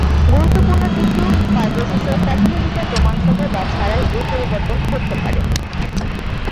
গুরুত্বপূর্ণ টিস্যু ফাইব্রোসিসের প্যাথলজিক্যাল প্রমাণসহ বা ছাড়াই এই পরিবর্তন ঘটতে পারে।